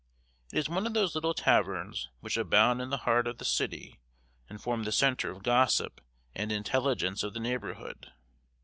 It is one of those little taverns which abound in the heart of the city and form the centre of gossip and intelligence of the neighborhood.